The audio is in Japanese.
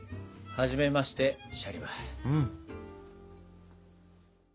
はじめましてシャリバ。